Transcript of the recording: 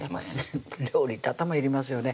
料理って頭いりますよね